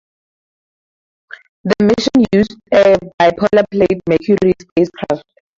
The mission used a boilerplate Mercury spacecraft.